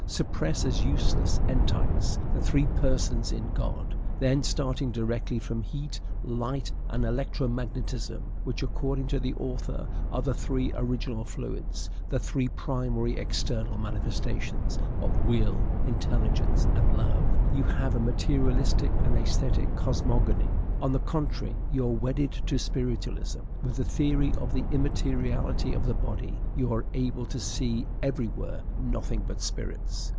Suppress, as useless entites, the three persons in God; then, starting directly from heat, light, and electro magnetism, which, according to the author, are the three original fluids, the three primary external manifestations of Will, Intelligence, and Love, you have a materialistic and atheistic cosmogony. On the contrary, are you wedded to spiritualism? With the theory of the immateriality of the body, you are able to see everywhere nothing but spirits.